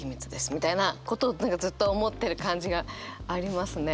みたいなことずっと思ってる感じがありますね。